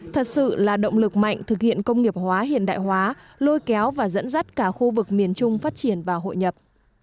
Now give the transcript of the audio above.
thật sự là động lực mạnh thực hiện công nghiệp hóa hiện đại hóa lôi kéo và dẫn dắt cả khu vực miền trung phát triển và hội nhập